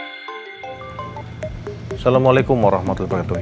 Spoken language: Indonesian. assalamualaikum warahmatullahi wabarakatuh